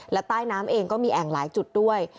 และใต้น้ำเองก็มีแอ่งหลายจุดด้วย